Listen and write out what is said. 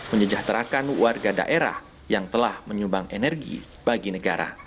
menyejahterakan warga daerah yang telah menyumbang energi bagi negara